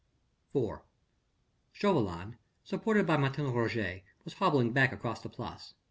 IV Chauvelin, supported by Martin Roget, was hobbling back across the Place.